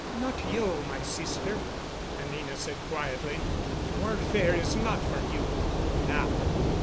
"Not you, my sister," Anina said quietly. "Warfare is not for you now.